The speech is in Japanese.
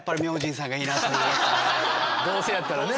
どうせやったらね。